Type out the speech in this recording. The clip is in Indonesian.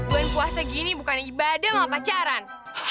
bulan puasa gini bukan ibadah sama pacaran